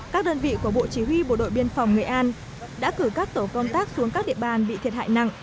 các đơn vị của bộ chỉ huy bộ đội biên phòng nghệ an đã cử các tổ công tác xuống các địa bàn bị thiệt hại nặng